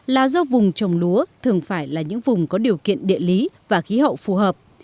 là do vùng trồng lúa thường phải là những vùng có điều kiện địa lý và khí hậu phù hợp